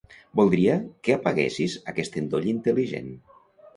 Voldria que apaguessis aquest endoll intel·ligent.